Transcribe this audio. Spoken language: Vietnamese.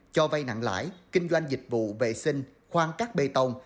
cho vay nặng lãi kinh doanh dịch vụ vệ sinh khoan các bê tông